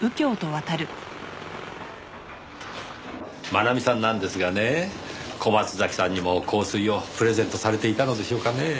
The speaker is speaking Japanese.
真奈美さんなんですがね小松崎さんにも香水をプレゼントされていたのでしょうかねぇ？